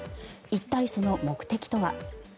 一体その目的とは？